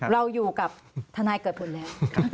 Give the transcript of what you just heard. เราอยู่กับทนายเกิดผลแล้ว